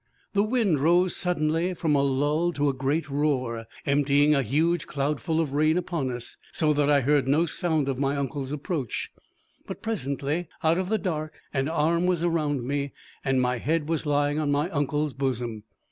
The wind rose suddenly from a lull to a great roar, emptying a huge cloudful of rain upon us, so that I heard no sound of my uncle's approach; but presently out of the dark an arm was around me, and my head was lying on my uncle's bosom.